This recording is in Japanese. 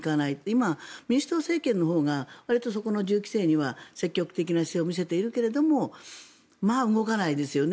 今、民主党政権のほうがわりとそこの銃規制には積極的な姿勢を見せているけれども動かないですよね。